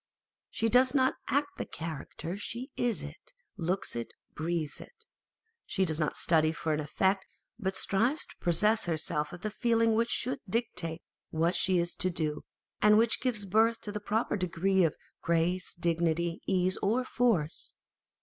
She does not act the character â€" she is it, looks it, breathes it. She does not study for an effect, but strives to possess herself of the feeling which should dictate what she is to do, and which gives birth to the proper degree of grace, dignity, ease, or force.